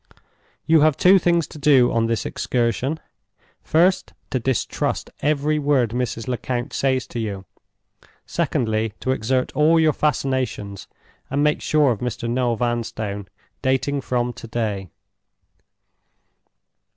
You have two things to do on this excursion. First, to distrust every word Mrs. Lecount says to you. Secondly, to exert all your fascinations, and make sure of Mr. Noel Vanstone, dating from to day.